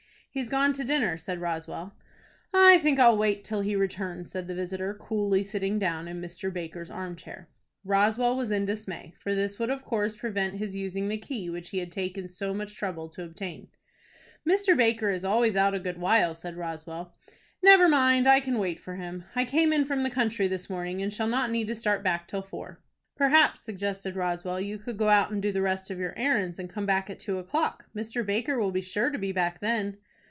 "He's gone to dinner," said Roswell. "I think I'll wait till he returns," said the visitor, coolly sitting down in Mr. Baker's arm chair. Roswell was in dismay, for this would of course prevent his using the key which he had taken so much trouble to obtain. "Mr. Baker is always out a good while," said Roswell. "Never mind, I can wait for him. I came in from the country this morning, and shall not need to start back till four." "Perhaps," suggested Roswell, "you could go out and do the rest of your errands, and come back at two o'clock. Mr. Baker will be sure to be back then."